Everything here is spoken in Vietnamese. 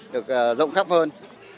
được rộng khắp hơn